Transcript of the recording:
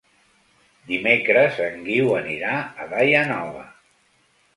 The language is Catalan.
Dimecres en Guiu anirà a Daia Nova.